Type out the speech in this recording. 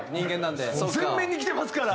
前面にきてますから。